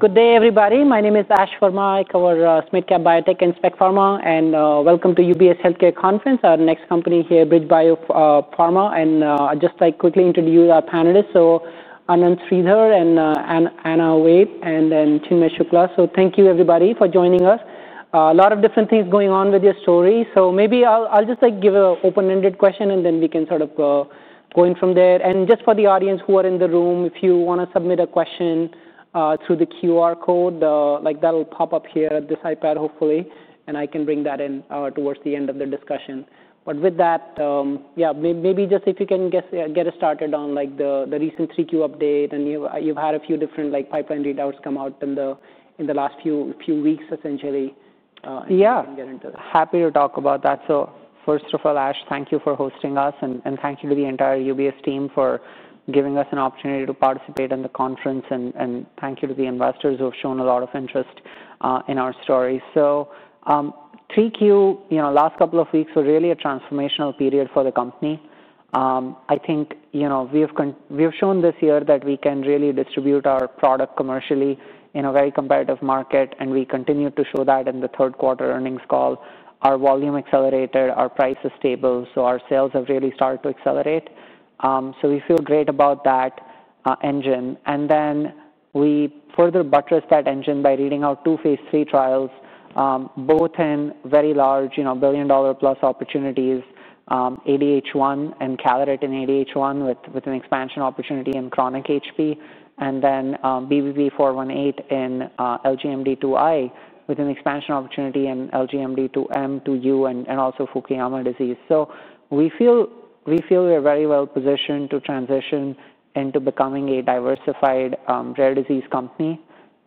Good day, everybody. My name is Ash Verma, I cover Smith BioTech and SpecPharma, and welcome to UBS Healthcare Conference, our next company here, BridgeBio Pharma. I’d just like to quickly introduce our panelists. Ananth Sridhar, Anna Wade, and then Chinmay Shukla. Thank you, everybody, for joining us. A lot of different things going on with your story. Maybe I’ll just give an open-ended question, and then we can sort of go in from there. Just for the audience who are in the room, if you want to submit a question through the QR code, that’ll pop up here at this iPad, hopefully, and I can bring that in towards the end of the discussion. With that, yeah, maybe just if you can get us started on the recent 3Q update, and you've had a few different pipeline readouts come out in the last few weeks, essentially. Yeah, happy to talk about that. First of all, Ash, thank you for hosting us, and thank you to the entire UBS team for giving us an opportunity to participate in the conference, and thank you to the investors who have shown a lot of interest in our story. 3Q, last couple of weeks were really a transformational period for the company. I think we have shown this year that we can really distribute our product commercially in a very competitive market, and we continue to show that in the third quarter earnings call. Our volume accelerated, our price is stable, so our sales have really started to accelerate. We feel great about that engine. We further buttressed that engine by reading out two phase three trials, both in very large billion-dollar-plus opportunities, ADH1 and Encaloret in ADH1 with an expansion opportunity in chronic HP, and then BBP-418 in LGMD2i with an expansion opportunity in LGMD2M to U and also Fukuyama disease. We feel we are very well positioned to transition into becoming a diversified rare disease company.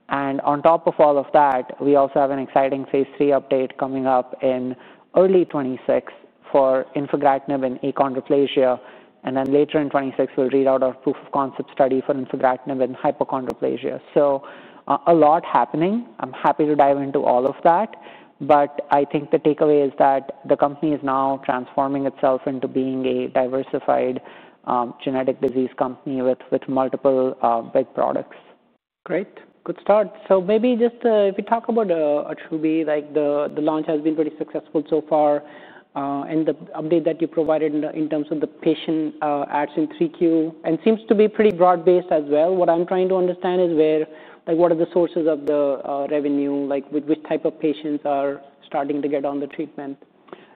On top of all of that, we also have an exciting phase three update coming up in early 2026 for Infigratinib in achondroplasia, and then later in 2026, we will read out our proof of concept study for Infigratinib in hypochondroplasia. A lot happening. I'm happy to dive into all of that, but I think the takeaway is that the company is now transforming itself into being a diversified genetic disease company with multiple big products. Great. Good start. Maybe just if we talk about Attruby, the launch has been pretty successful so far, and the update that you provided in terms of the patient ads in 3Q, and it seems to be pretty broad-based as well. What I'm trying to understand is what are the sources of the revenue, which type of patients are starting to get on the treatment?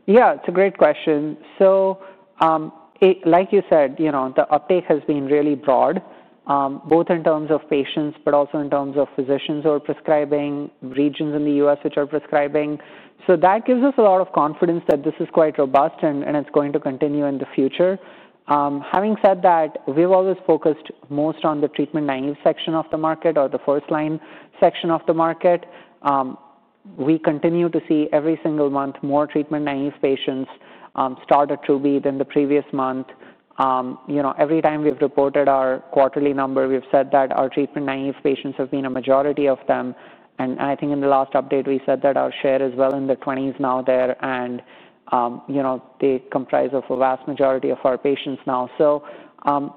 Yeah, it's a great question. Like you said, the uptake has been really broad, both in terms of patients, but also in terms of physicians who are prescribing, regions in the US which are prescribing. That gives us a lot of confidence that this is quite robust and it's going to continue in the future. Having said that, we've always focused most on the treatment naive section of the market or the first line section of the market. We continue to see every single month more treatment naive patients start Attruby than the previous month. Every time we've reported our quarterly number, we've said that our treatment naive patients have been a majority of them. I think in the last update, we said that our share is well in the 20s now there, and they comprise a vast majority of our patients now.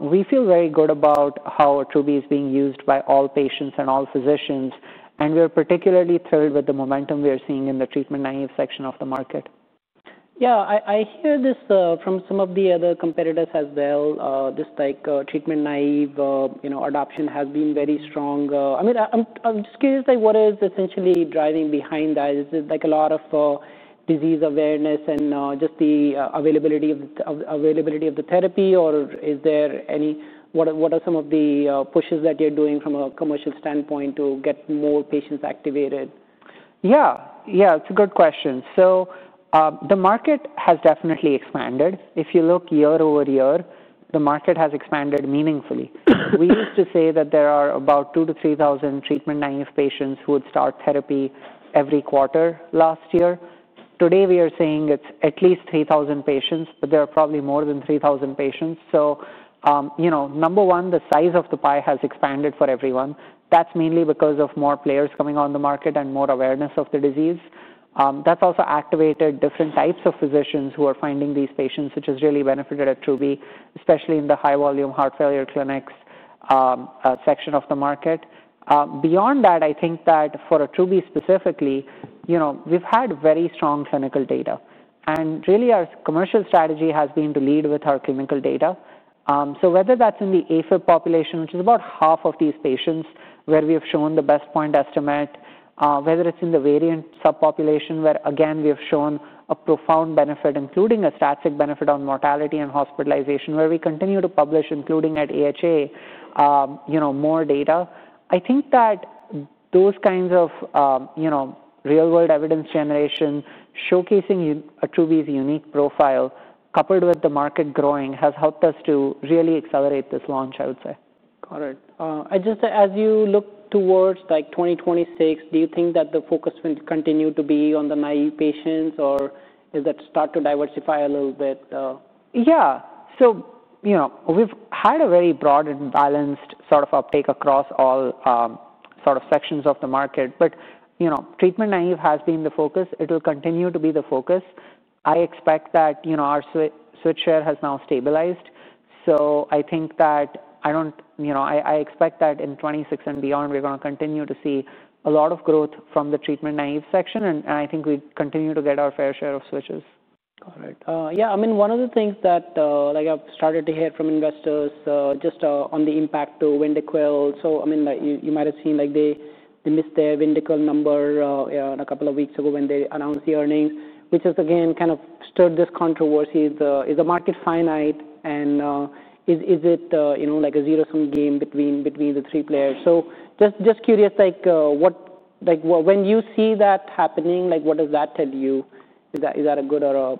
We feel very good about how is being used by all patients and all physicians, and we're particularly thrilled with the momentum we're seeing in the treatment naive section of the market. Yeah, I hear this from some of the other competitors as well. Just like treatment naive adoption has been very strong. I mean, I'm just curious, what is essentially driving behind that? Is it like a lot of disease awareness and just the availability of the therapy, or is there any—what are some of the pushes that you're doing from a commercial standpoint to get more patients activated? Yeah, yeah, it's a good question. The market has definitely expanded. If you look year-over-year, the market has expanded meaningfully. We used to say that there are about 2,000-3,000 treatment naive patients who would start therapy every quarter last year. Today, we are saying it's at least 3,000 patients, but there are probably more than 3,000 patients. Number one, the size of the pie has expanded for everyone. That's mainly because of more players coming on the market and more awareness of the disease. That's also activated different types of physicians who are finding these patients, which has really benefited Acoramidis, especially in the high-volume heart failure clinics section of the market. Beyond that, I think that for Attruby's specifically, we've had very strong clinical data, and really our commercial strategy has been to lead with our clinical data. Whether that's in the AFib population, which is about half of these patients where we have shown the best point estimate, whether it's in the variant subpopulation where, again, we have shown a profound benefit, including a static benefit on mortality and hospitalization, where we continue to publish, including at AHA, more data. I think that those kinds of real-world evidence generation, showcasing Attruby's unique profile, coupled with the market growing, has helped us to really accelerate this launch, I would say. Got it. As you look towards 2026, do you think that the focus will continue to be on the naive patients, or does that start to diversify a little bit? Yeah, so we've had a very broad and balanced sort of uptake across all sort of sections of the market, but treatment naive has been the focus. It'll continue to be the focus. I expect that our switch share has now stabilized. I think that I expect that in 2026 and beyond, we're going to continue to see a lot of growth from the treatment naive section, and I think we continue to get our fair share of switches. Got it. Yeah, I mean, one of the things that I've started to hear from investors just on the impact to Vyndaqel, so I mean, you might have seen they missed their Vyndaqel number a couple of weeks ago when they announced the earnings, which has, again, kind of stirred this controversy. Is the market finite, and is it like a zero-sum game between the three players? Just curious, when you see that happening, what does that tell you? Is that a good or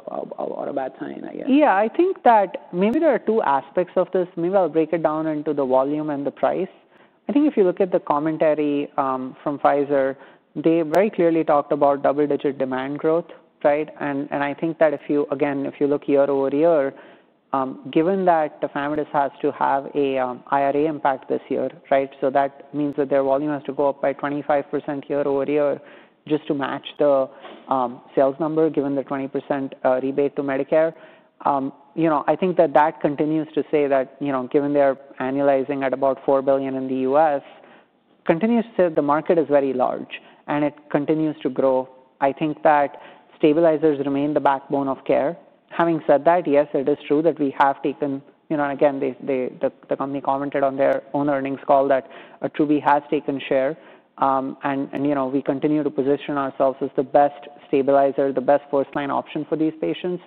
a bad sign, I guess? Yeah, I think that maybe there are two aspects of this. Maybe I'll break it down into the volume and the price. I think if you look at the commentary from Pfizer, they very clearly talked about double-digit demand growth, right? I think that, again, if you look year-over-year, given that the family has to have an IRA impact this year, right? That means that their volume has to go up by 25% year-over-year just to match the sales number, given the 20% rebate to Medicare. I think that that continues to say that, given they're annualizing at about $4 billion in the U.S., continues to say the market is very large and it continues to grow. I think that stabilizers remain the backbone of care. Having said that, yes, it is true that we have taken, and again, the company commented on their own earnings call that Attruby has taken share, and we continue to position ourselves as the best stabilizer, the best first-line option for these patients.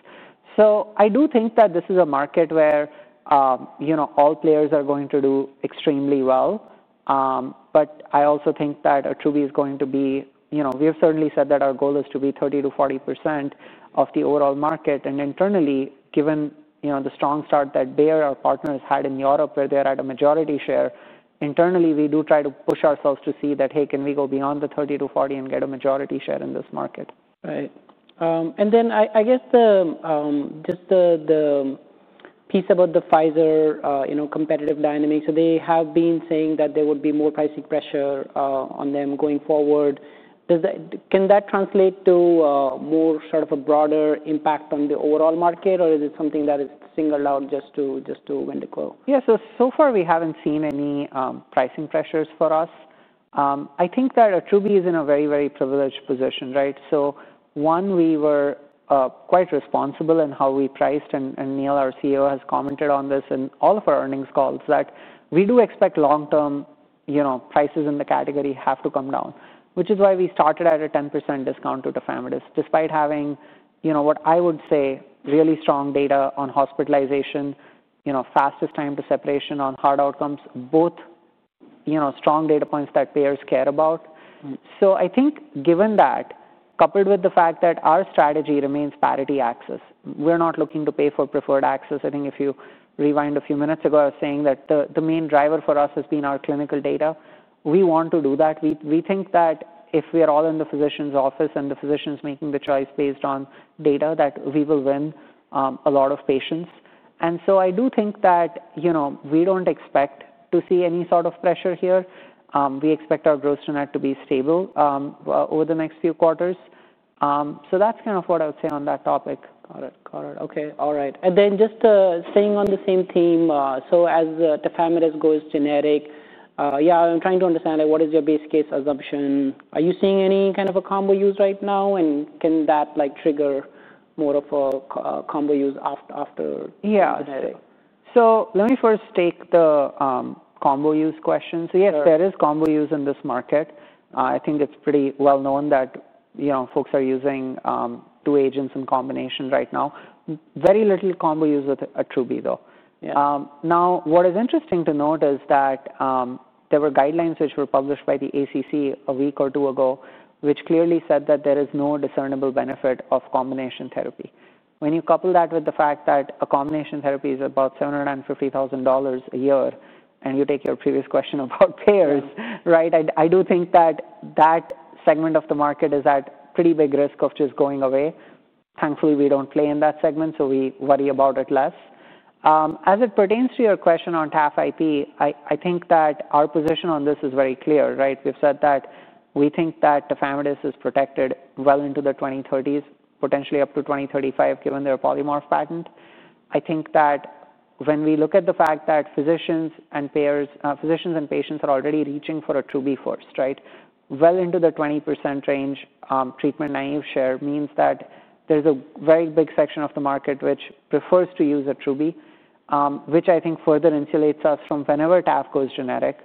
I do think that this is a market where all players are going to do extremely well. I also think that Attruby is going to be—we have certainly said that our goal is to be 30%-40% of the overall market. Internally, given the strong start that Bayer, our partner, has had in Europe, where they are at a majority share, internally, we do try to push ourselves to see that, hey, can we go beyond the 30%-40% and get a majority share in this market? Right. I guess just the piece about the Pfizer competitive dynamics, so they have been saying that there would be more pricing pressure on them going forward. Can that translate to more sort of a broader impact on the overall market, or is it something that is singled out just to Vyndaqel? Yeah, so far, we haven't seen any pricing pressures for us. I think that Attruby is in a very, very privileged position, right? One, we were quite responsible in how we priced, and Neil, our CEO, has commented on this in all of our earnings calls, that we do expect long-term prices in the category have to come down, which is why we started at a 10% discount to Tafamidis, despite having what I would say really strong data on hospitalization, fastest time to separation on hard outcomes, both strong data points that payers care about. I think given that, coupled with the fact that our strategy remains parity access, we're not looking to pay for preferred access. I think if you rewind a few minutes ago, I was saying that the main driver for us has been our clinical data. We want to do that. We think that if we are all in the physician's office and the physician's making the choice based on data, that we will win a lot of patients. I do think that we don't expect to see any sort of pressure here. We expect our growth to be stable over the next few quarters. That's kind of what I would say on that topic. Got it. Got it. Okay. All right. Just staying on the same theme, as Tafamidis goes generic, yeah, I'm trying to understand what is your base case assumption. Are you seeing any kind of a combo use right now, and can that trigger more of a combo use after? Yeah. Let me first take the combo use question. Yes, there is combo use in this market. I think it's pretty well known that folks are using two agents in combination right now. Very little combo use with Attruby, though. What is interesting to note is that there were guidelines which were published by the ACC a week or two ago, which clearly said that there is no discernible benefit of combination therapy. When you couple that with the fact that a combination therapy is about $750,000 a year, and you take your previous question about payers, right, I do think that that segment of the market is at pretty big risk of just going away. Thankfully, we don't play in that segment, so we worry about it less. As it pertains to your question on Tafamidis, I think that our position on this is very clear, right? We've said that we think that Tafamidis is protected well into the 2030s, potentially up to 2035, given their polymorph patent. I think that when we look at the fact that physicians and payers, physicians and patients are already reaching for Attruby first, right? Well into the 20% range, treatment naive share means that there's a very big section of the market which prefers to use Attruby, which I think further insulates us from whenever Tafamidis goes generic.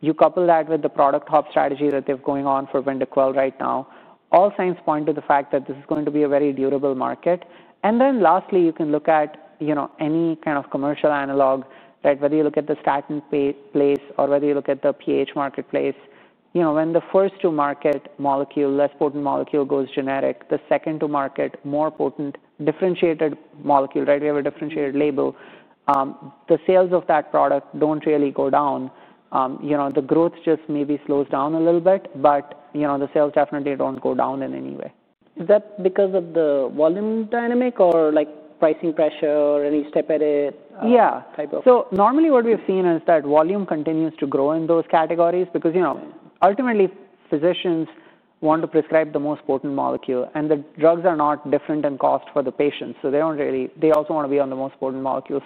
You couple that with the product hop strategy that they have going on for Vyndaqel right now, all signs point to the fact that this is going to be a very durable market. Lastly, you can look at any kind of commercial analog, right? Whether you look at the statin place or whether you look at the pH marketplace, when the first-to-market molecule, less potent molecule, goes generic, the second-to-market more potent differentiated molecule, right? We have a differentiated label. The sales of that product do not really go down. The growth just maybe slows down a little bit, but the sales definitely do not go down in any way. Is that because of the volume dynamic or pricing pressure or any step edit type of? Yeah. Normally, what we've seen is that volume continues to grow in those categories because ultimately, physicians want to prescribe the most potent molecule, and the drugs are not different in cost for the patients. They also want to be on the most potent molecule.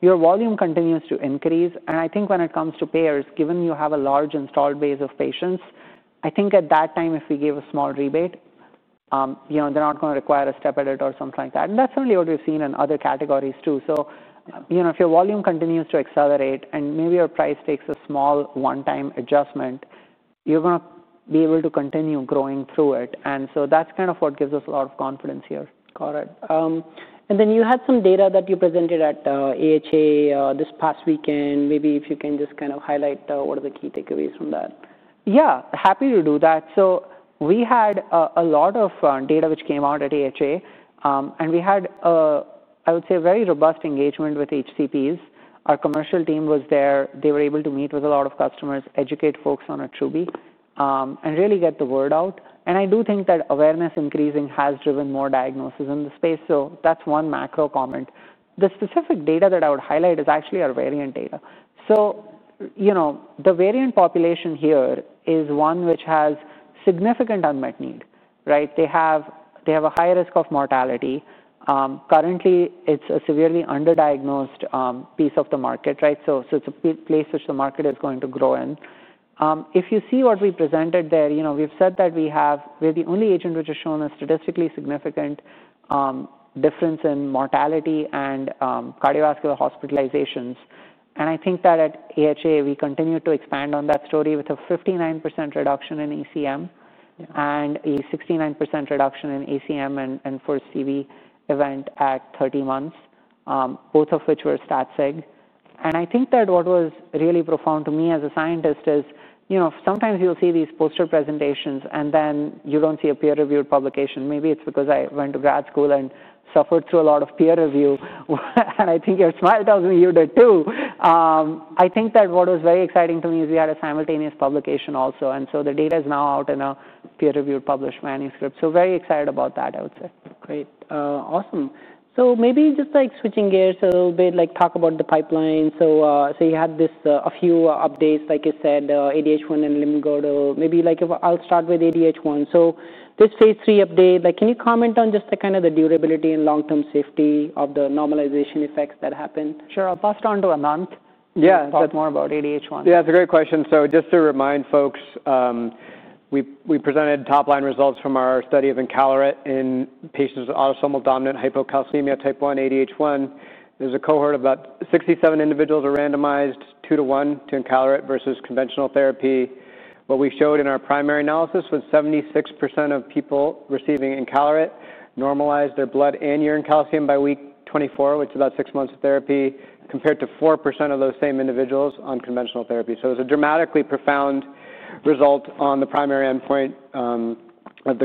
Your volume continues to increase. I think when it comes to payers, given you have a large installed base of patients, I think at that time, if we gave a small rebate, they're not going to require a step edit or something like that. That is certainly what we've seen in other categories too. If your volume continues to accelerate and maybe your price takes a small one-time adjustment, you're going to be able to continue growing through it. That is kind of what gives us a lot of confidence here. Got it. You had some data that you presented at AHA this past weekend. Maybe if you can just kind of highlight what are the key takeaways from that. Yeah, happy to do that. We had a lot of data which came out at AHA, and we had, I would say, a very robust engagement with HCPs. Our commercial team was there. They were able to meet with a lot of customers, educate folks on Attruby, and really get the word out. I do think that awareness increasing has driven more diagnosis in the space. That is one macro comment. The specific data that I would highlight is actually our variant data. The variant population here is one which has significant unmet need, right? They have a high risk of mortality. Currently, it is a severely underdiagnosed piece of the market, right? It is a place which the market is going to grow in. If you see what we presented there, we've said that we're the only agent which has shown a statistically significant difference in mortality and cardiovascular hospitalizations. I think that at AHA, we continue to expand on that story with a 59% reduction in ACM and a 69% reduction in ACM and first CV event at 30 months, both of which were stat-sig. I think that what was really profound to me as a scientist is sometimes you'll see these poster presentations, and then you don't see a peer-reviewed publication. Maybe it's because I went to grad school and suffered through a lot of peer review. I think your smile tells me you did too. I think that what was very exciting to me is we had a simultaneous publication also. The data is now out in a peer-reviewed published manuscript. Very excited about that, I would say. Great. Awesome. Maybe just switching gears a little bit, talk about the pipeline. You had a few updates, like you said, ADH1 and LGMD2i. Maybe I'll start with ADH1. This phase three update, can you comment on just the kind of durability and long-term safety of the normalization effects that happened? Sure. I'll pass it on to Ananth to talk more about ADH1. Yeah, it's a great question. Just to remind folks, we presented top-line results from our study of Encaloret in patients with autosomal dominant hypocalcemia type 1, ADH1. There's a cohort of about 67 individuals that were randomized 2 to 1 to Encaloret versus conventional therapy. What we showed in our primary analysis was 76% of people receiving Encaloret normalized their blood and urine calcium by week 24, which is about six months of therapy, compared to 4% of those same individuals on conventional therapy. It was a dramatically profound result on the primary endpoint of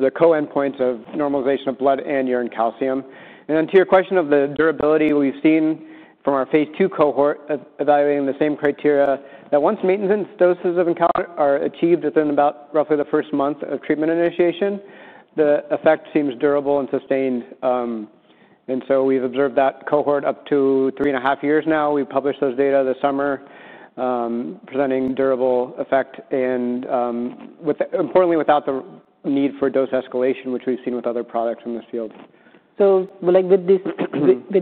the co-endpoints of normalization of blood and urine calcium. To your question of the durability, we've seen from our phase two cohort evaluating the same criteria that once maintenance doses of Encaloret are achieved within about roughly the first month of treatment initiation, the effect seems durable and sustained. We have observed that cohort up to three and a half years now. We published those data this summer, presenting durable effect, and importantly, without the need for dose escalation, which we have seen with other products in this field. With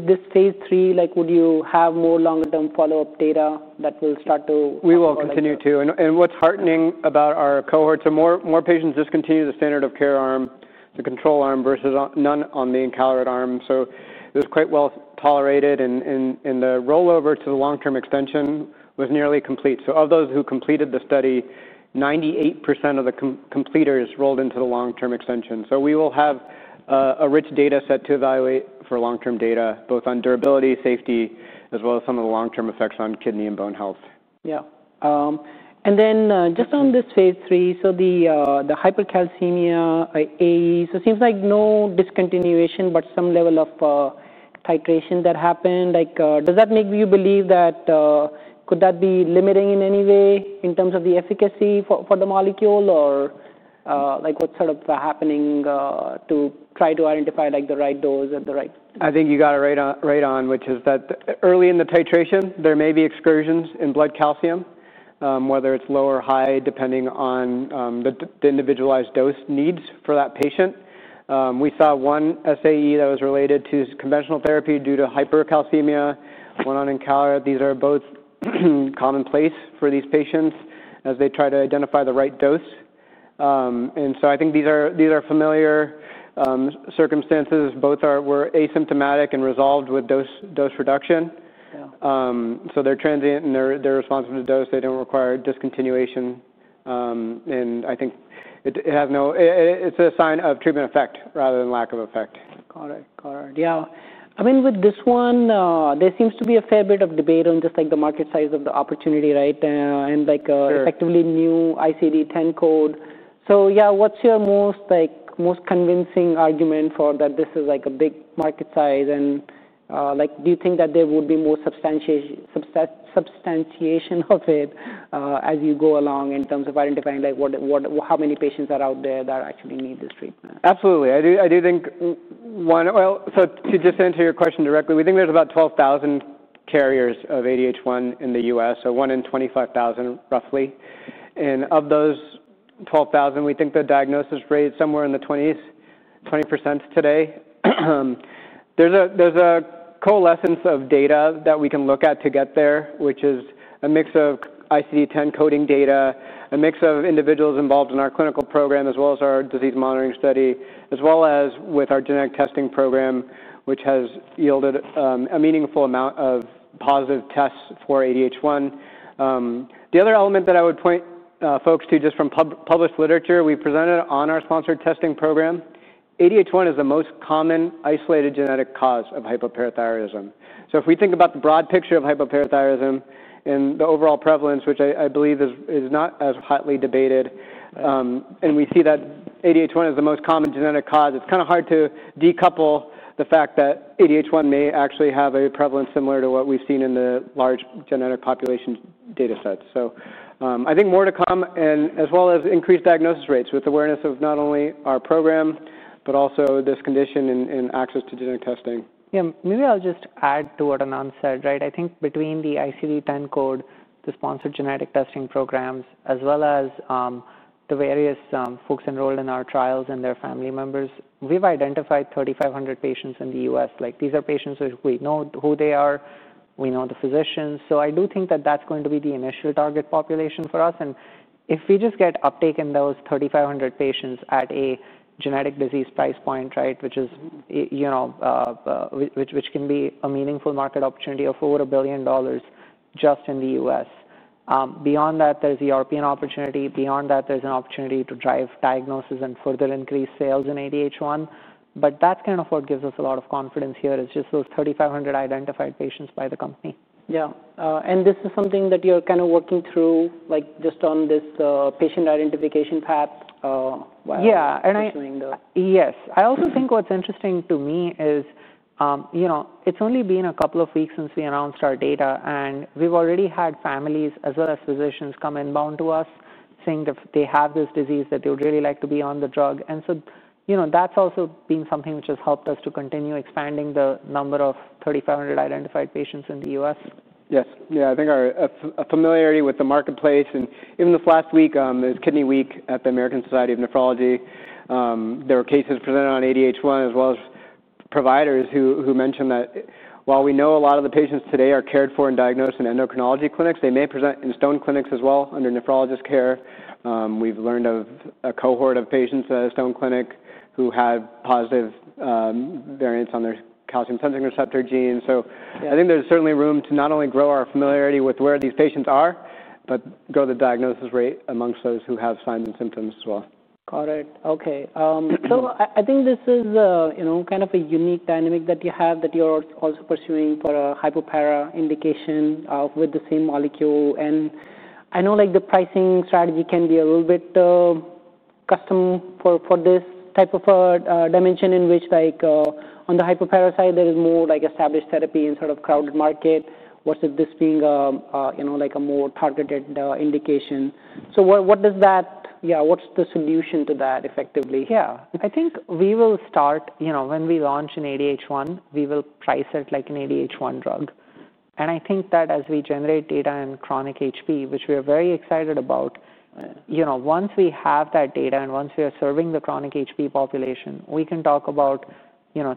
this phase three, would you have more longer-term follow-up data that will start to? We will continue to. What's heartening about our cohorts are more patients discontinue the standard of care arm, the control arm, versus none on the Encaloret arm. It was quite well tolerated, and the rollover to the long-term extension was nearly complete. Of those who completed the study, 98% of the completers rolled into the long-term extension. We will have a rich data set to evaluate for long-term data, both on durability, safety, as well as some of the long-term effects on kidney and bone health. Yeah. And then just on this phase three, the hypercalcemia A, it seems like no discontinuation, but some level of titration that happened. Does that make you believe that could that be limiting in any way in terms of the efficacy for the molecule, or what is sort of happening to try to identify the right dose and the right? I think you got it right on, which is that early in the titration, there may be excursions in blood calcium, whether it's low or high, depending on the individualized dose needs for that patient. We saw one SAE that was related to conventional therapy due to hypercalcemia, one on Encaloret. These are both commonplace for these patients as they try to identify the right dose. I think these are familiar circumstances. Both were asymptomatic and resolved with dose reduction. They're transient and they're responsive to dose. They don't require discontinuation. I think it's a sign of treatment effect rather than lack of effect. Got it. Got it. Yeah. I mean, with this one, there seems to be a fair bit of debate on just the market size of the opportunity, right, and effectively new ICD-10 code. Yeah, what's your most convincing argument for that this is a big market size? Do you think that there would be more substantiation of it as you go along in terms of identifying how many patients are out there that actually need this treatment? Absolutely. I do think, to just answer your question directly, we think there's about 12,000 carriers of ADH1 in the U.S., so one in 25,000, roughly. Of those 12,000, we think the diagnosis rate is somewhere in the 20s, 20% today. There's a coalescence of data that we can look at to get there, which is a mix of ICD-10 coding data, a mix of individuals involved in our clinical program, as well as our disease monitoring study, as well as with our genetic testing program, which has yielded a meaningful amount of positive tests for ADH1. The other element that I would point folks to just from published literature, we presented on our sponsored testing program, ADH1 is the most common isolated genetic cause of hypoparathyroidism. If we think about the broad picture of hypoparathyroidism and the overall prevalence, which I believe is not as hotly debated, and we see that ADH1 is the most common genetic cause, it's kind of hard to decouple the fact that ADH1 may actually have a prevalence similar to what we've seen in the large genetic population data sets. I think more to come, and as well as increased diagnosis rates with awareness of not only our program, but also this condition and access to genetic testing. Yeah. Maybe I'll just add to what Ananth said, right? I think between the ICD-10 code, the sponsored genetic testing programs, as well as the various folks enrolled in our trials and their family members, we've identified 3,500 patients in the U.S. These are patients who we know who they are. We know the physicians. I do think that that's going to be the initial target population for us. If we just get uptake in those 3,500 patients at a genetic disease price point, right, which can be a meaningful market opportunity of over $1 billion just in the U.S. Beyond that, there's a European opportunity. Beyond that, there's an opportunity to drive diagnosis and further increase sales in ADH1. That's kind of what gives us a lot of confidence here is just those 3,500 identified patients by the company. Yeah. This is something that you're kind of working through just on this patient identification path while pursuing the? Yeah. I also think what's interesting to me is it's only been a couple of weeks since we announced our data, and we've already had families as well as physicians come inbound to us saying that they have this disease that they would really like to be on the drug. That has also been something which has helped us to continue expanding the number of 3,500 identified patients in the U.S. Yes. Yeah. I think our familiarity with the marketplace, and even this last week, there is Kidney Week at the American Society of Nephrology. There were cases presented on ADH1, as well as providers who mentioned that while we know a lot of the patients today are cared for and diagnosed in endocrinology clinics, they may present in stone clinics as well under nephrologist care. We have learned of a cohort of patients at a stone clinic who had positive variants on their calcium sensing receptor gene. I think there is certainly room to not only grow our familiarity with where these patients are, but grow the diagnosis rate amongst those who have signs and symptoms as well. Got it. Okay. I think this is kind of a unique dynamic that you have that you're also pursuing for a hypopara indication with the same molecule. I know the pricing strategy can be a little bit custom for this type of dimension in which on the hypopara side, there is more established therapy in sort of crowded market versus this being a more targeted indication. What does that, yeah, what's the solution to that effectively? Yeah. I think we will start when we launch an ADH1, we will price it like an ADH1 drug. I think that as we generate data in chronic HP, which we are very excited about, once we have that data and once we are serving the chronic HP population, we can talk about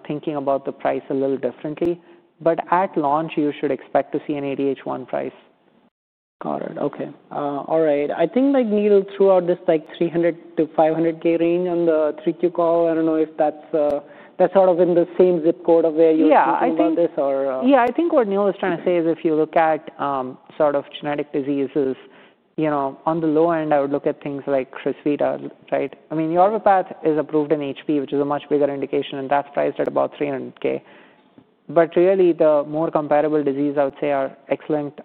thinking about the price a little differently. At launch, you should expect to see an ADH1 price. Got it. Okay. All right. I think Neil threw out this 300-500K range on the 3Q call. I don't know if that's sort of in the same zip code of where you're talking about this or? Yeah. I think what Neil was trying to say is if you look at sort of genetic diseases, on the low end, I would look at things like Crysvita. I mean, Yarmouth Path is approved in HP, which is a much bigger indication, and that's priced at about $300,000. I mean, the more comparable disease, I would say, are XLH,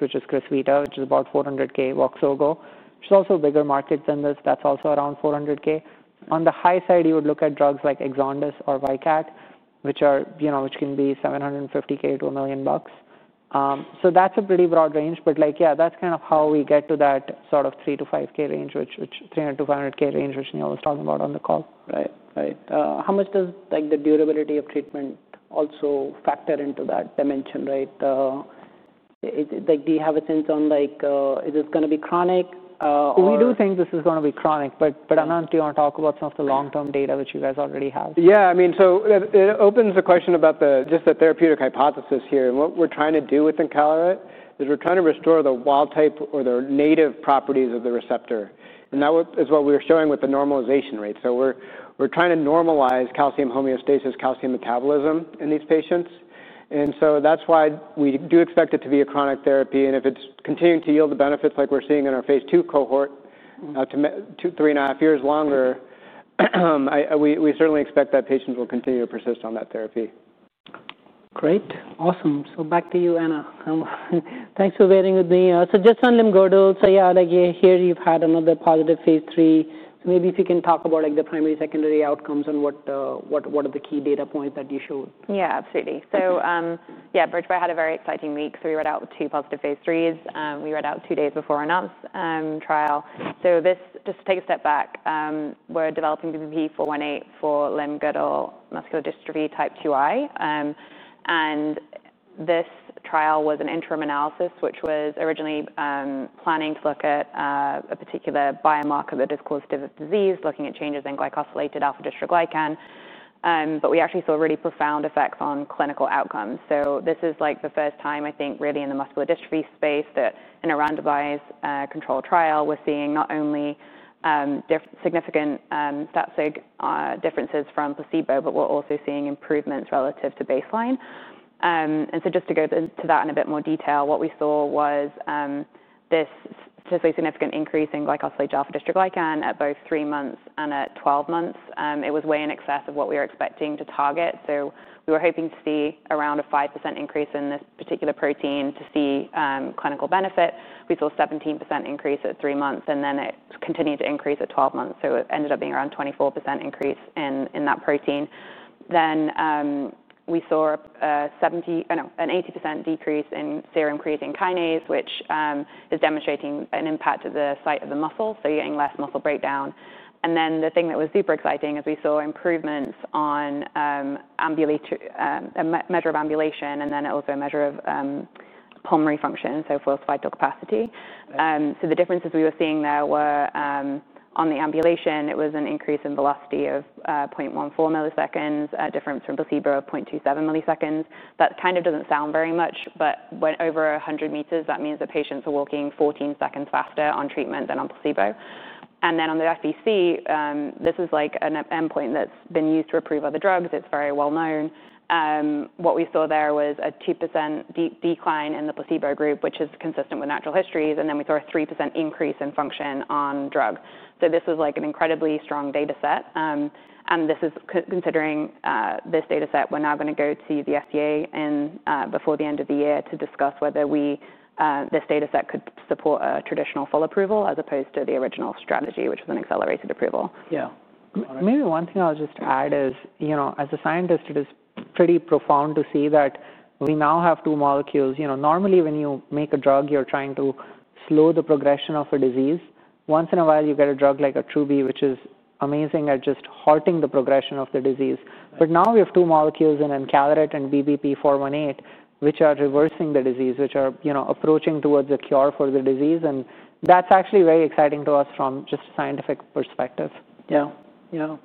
which is Crysvita, is about $400,000, Voxzogo. There's also a bigger market than this. That's also around $400,000. On the high side, you would look at drugs like Exondys or Viltolarsen, which can be $750,000-$1,000,000. That's a pretty broad range. Yeah, that's kind of how we get to that sort of $300,000-$500,000 range, which Neil was talking about on the call. Right. Right. How much does the durability of treatment also factor into that dimension, right? Do you have a sense on is this going to be chronic? We do think this is going to be chronic, but Ananth, do you want to talk about some of the long-term data which you guys already have? Yeah. I mean, it opens the question about just the therapeutic hypothesis here. What we're trying to do with Encaloret is we're trying to restore the wild type or the native properties of the receptor. That is what we were showing with the normalization rate. We're trying to normalize calcium homeostasis, calcium metabolism in these patients. That is why we do expect it to be a chronic therapy. If it's continuing to yield the benefits like we're seeing in our phase two cohort, three and a half years longer, we certainly expect that patients will continue to persist on that therapy. Great. Awesome. Back to you, Anna. Thanks for bearing with me. Just on LGMD2i, yeah, here you've had another positive phase three. Maybe if you can talk about the primary, secondary outcomes and what are the key data points that you showed. Yeah, absolutely. Yeah, BridgeBio had a very exciting week. We read out two positive phase threes. We read out two days before Ananth's trial. Just to take a step back, we're developing BBP-418 for limb-girdle muscular dystrophy type 2I. This trial was an interim analysis, which was originally planning to look at a particular biomarker that is causative of disease, looking at changes in glycosylated alpha-dystroglycan. We actually saw really profound effects on clinical outcomes. This is the first time, I think, really in the muscular dystrophy space that in a randomized controlled trial, we're seeing not only different significant SATSIG differences from placebo, but we're also seeing improvements relative to baseline. Just to go into that in a bit more detail, what we saw was this statistically significant increase in glycosylated alpha-dystroglycan at both three months and at 12 months. It was way in excess of what we were expecting to target. We were hoping to see around a 5% increase in this particular protein to see clinical benefit. We saw a 17% increase at three months, and it continued to increase at 12 months. It ended up being around a 24% increase in that protein. We saw an 80% decrease in serum creatine kinase, which is demonstrating an impact to the site of the muscle. You are getting less muscle breakdown. The thing that was super exciting is we saw improvements on a measure of ambulation and also a measure of pulmonary function, so forced vital capacity. The differences we were seeing there were on the ambulation, it was an increase in velocity of 0.14 meters per second, a difference from placebo of 0.27 meters per second. That kind of doesn't sound very much, but over 100 meters, that means that patients are walking 14 seconds faster on treatment than on placebo. On the FVC, this is an endpoint that's been used to approve other drugs. It's very well known. What we saw there was a 2% decline in the placebo group, which is consistent with natural histories. We saw a 3% increase in function on drug. This was an incredibly strong data set. Considering this data set, we're now going to go to the FDA before the end of the year to discuss whether this data set could support a traditional full approval as opposed to the original strategy, which was an accelerated approval. Yeah. Maybe one thing I'll just add is, as a scientist, it is pretty profound to see that we now have two molecules. Normally, when you make a drug, you're trying to slow the progression of a disease. Once in a while, you get a drug like Acoramidis, which is amazing at just halting the progression of the disease. Now, we have two molecules in Encaloret and BBP-418, which are reversing the disease, which are approaching towards a cure for the disease. That is actually very exciting to us from just a scientific perspective. Yeah. Yeah.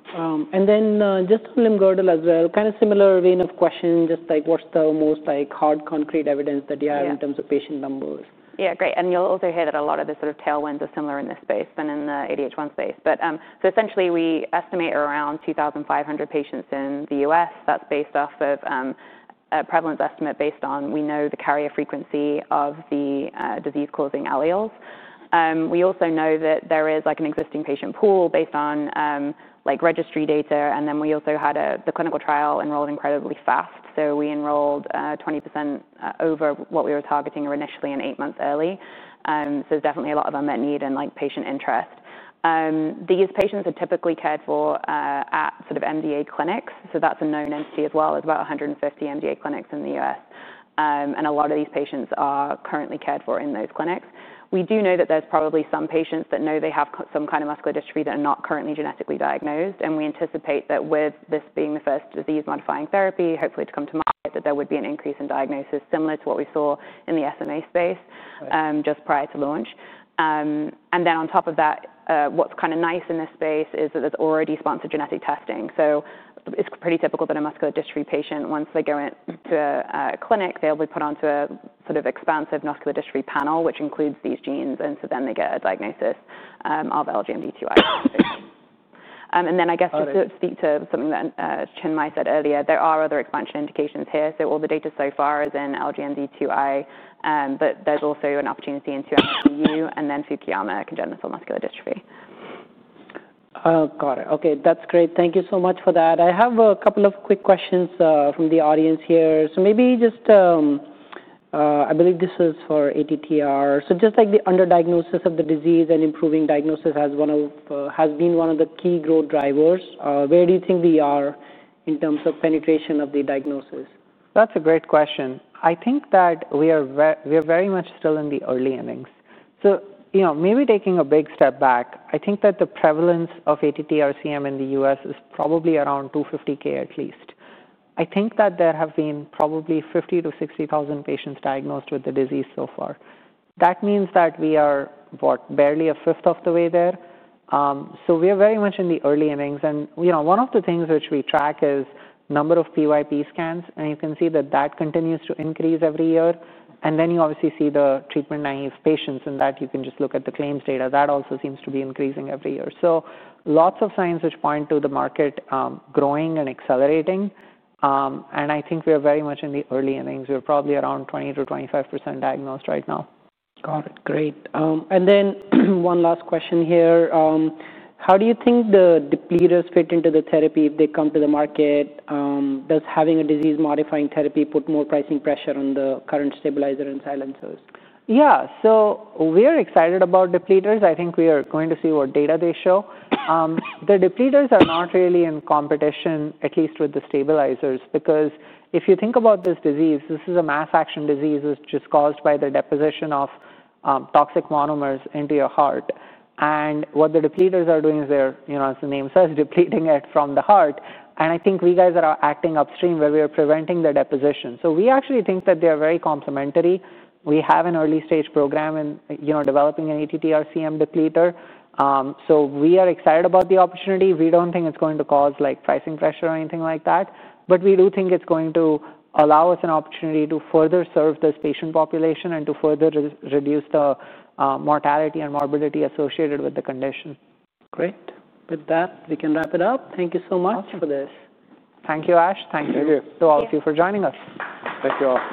And then, just on LGMD2i as well, kind of similar vein of question, just what's the most hard concrete evidence that you have in terms of patient numbers? Yeah. Great. You'll also hear that a lot of the sort of tailwinds are similar in this space than in the ADH1 space. Essentially, we estimate around 2,500 patients in the U.S.. That's based off of a prevalence estimate based on we know the carrier frequency of the disease-causing alleles. We also know that there is an existing patient pool based on registry data. We also had the clinical trial enrolled incredibly fast. We enrolled 20% over what we were targeting initially and eight months early. There's definitely a lot of unmet need and patient interest. These patients are typically cared for at sort of MDA clinics. That's a known entity as well. There's about 150 MDA clinics in the U.S.. A lot of these patients are currently cared for in those clinics. We do know that there's probably some patients that know they have some kind of muscular dystrophy that are not currently genetically diagnosed. We anticipate that with this being the first disease-modifying therapy, hopefully to come tomorrow, there would be an increase in diagnosis similar to what we saw in the SMA space just prior to launch. On top of that, what's kind of nice in this space is that there's already sponsored genetic testing. It is pretty typical that a muscular dystrophy patient, once they go into a clinic, will be put onto a sort of expansive muscular dystrophy panel, which includes these genes. Then they get a diagnosis of LGMD2i. I guess just to speak to something that Chinmay said earlier, there are other expansion indications here. All the data so far is in LGMD2i, but there's also an opportunity in Fukuyama congenital muscular dystrophy. Got it. Okay. That's great. Thank you so much for that. I have a couple of quick questions from the audience here. Maybe just I believe this is for ATTR. Just like the underdiagnosis of the disease and improving diagnosis has been one of the key growth drivers, where do you think we are in terms of penetration of the diagnosis? That's a great question. I think that we are very much still in the early innings. Maybe taking a big step back, I think that the prevalence of ATTR-CM in the U.S. is probably around 250,000 at least. I think that there have been probably 50,000-60,000 patients diagnosed with the disease so far. That means that we are what, barely a fifth of the way there. We are very much in the early innings. One of the things which we track is number of PYP scans. You can see that that continues to increase every year. You obviously see the treatment naive patients in that you can just look at the claims data. That also seems to be increasing every year. Lots of signs which point to the market growing and accelerating. I think we are very much in the early innings. We're probably around 20%-25% diagnosed right now. Got it. Great. One last question here. How do you think the depleters fit into the therapy if they come to the market? Does having a disease-modifying therapy put more pricing pressure on the current stabilizer and silencers? Yeah. We're excited about depleters. I think we are going to see what data they show. The depleters are not really in competition, at least with the stabilizers, because if you think about this disease, this is a mass action disease which is caused by the deposition of toxic monomers into your heart. What the depleters are doing is they're, as the name says, depleting it from the heart. I think we are acting upstream where we are preventing the deposition. We actually think that they are very complementary. We have an early stage program in developing an ATTR-CM depleter. We are excited about the opportunity. We do not think it is going to cause pricing pressure or anything like that. We do think it's going to allow us an opportunity to further serve this patient population and to further reduce the mortality and morbidity associated with the condition. Great. With that, we can wrap it up. Thank you so much for this. Thank you, Ash. Thank you to all of you for joining us. Thank you.